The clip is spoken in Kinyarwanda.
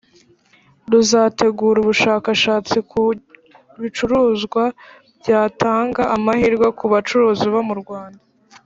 ruzategura ubushakashatsi ku bicuruzwa byatanga amahirwe ku bacuruzi bo mu rwanda